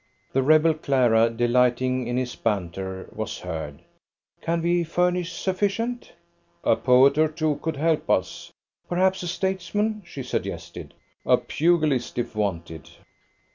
The rebel Clara, delighting in his banter, was heard: "Can we furnish sufficient?" "A poet or two could help us." "Perhaps a statesman," she suggested. "A pugilist, if wanted."